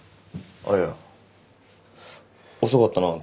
あっいや遅かったなと思って。